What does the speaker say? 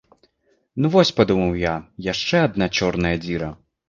Ну вось, падумаў я, яшчэ адна чорная дзіра.